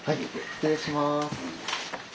失礼します。